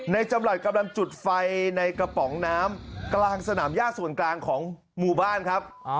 จำหลัดกำลังจุดไฟในกระป๋องน้ำกลางสนามย่าส่วนกลางของหมู่บ้านครับ